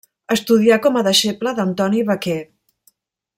Estudià com a deixeble d'Antoni Vaquer.